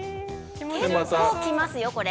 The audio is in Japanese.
結構きますよこれ。